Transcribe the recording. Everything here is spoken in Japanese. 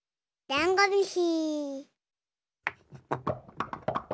ダンゴムシ。